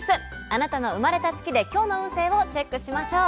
あなたの生まれた月で今日の運勢をチェックしましょう。